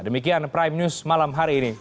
demikian prime news malam hari ini